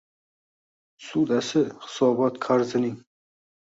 ssudasi Hisobot qarzining